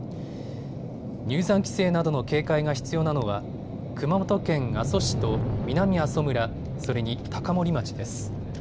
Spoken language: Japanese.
入山規制などの警戒が必要なのは熊本県の阿蘇市と南阿蘇村、それに高森町です。